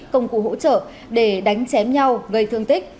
công cụ hỗ trợ để đánh chém nhau gây thương tích